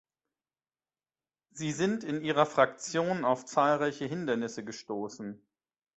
Sie sind in Ihrer Fraktion auf zahlreiche Hindernisse gestoßen.